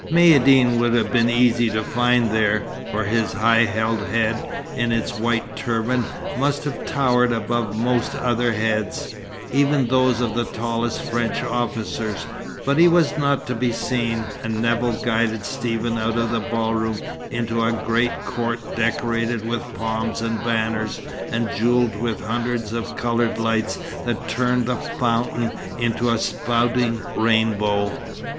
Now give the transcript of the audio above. Maïeddine would have been easy to find there, for his high held head in its white turban must have towered above most other heads, even those of the tallest French officers; but he was not to be seen, and Nevill guided Stephen out of the ball room into a great court decorated with palms and banners, and jewelled with hundreds of coloured lights that turned the fountain into a spouting rainbow.